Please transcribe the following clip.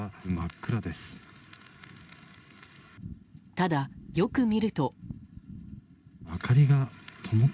ただ、よく見ると。